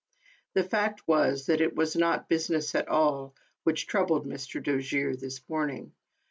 The fact was that it was not business at all, which troubled Mr. Dojere this morning.